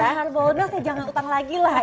dan harbolnas ya jangan utang lagi lah